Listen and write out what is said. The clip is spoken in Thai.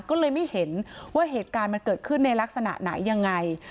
ก็เลยไม่เห็นว่าเหตุการณ์มันเกิดขึ้นในลักษณะไหนยังไง